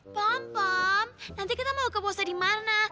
pom pom nanti kita mau buka bosa di mana